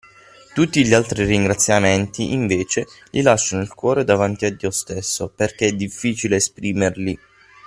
Tutti gli altri ringraziamenti, invece, li lascio nel cuore davanti a Dio stesso, perché è difficile esprimerli.